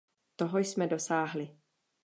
Toho jsme dosáhli.